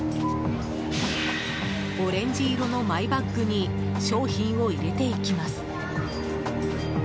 オレンジ色のマイバッグに商品を入れていきます。